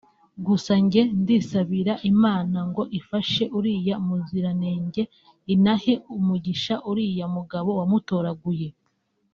Gusa Njye Ndisabira Imana Ngo Ifashe Uriya Muziranenge Inahe Umugisha Uriya Mugabo Wamutoraguye